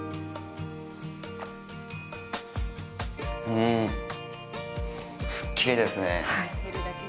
うーん、すっきりですね。